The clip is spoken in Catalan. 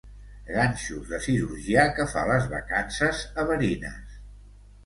Ganxos de cirurgià que fa les vacances a Verines.